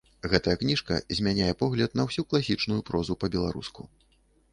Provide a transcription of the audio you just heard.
Гэтая кніжка змяняе погляд на ўсю класічную прозу па-беларуску.